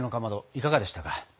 いかがでしたか？